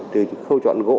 từ câu chọn gỗ